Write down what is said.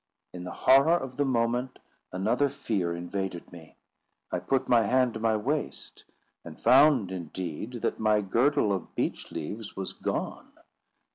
In the horror of the moment, another fear invaded me. I put my hand to my waist, and found indeed that my girdle of beech leaves was gone.